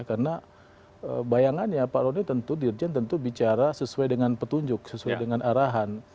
karena bayangannya pak rony tentu dirjen tentu bicara sesuai dengan petunjuk sesuai dengan arahan